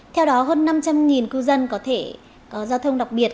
theo đó hơn năm trăm linh cư dân có thể có giao thông đặc biệt